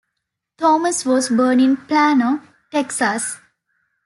Thomas was born in Plano, Texas.